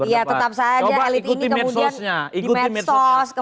iya tetap saja elit ini kemudian coba ikuti medsosnya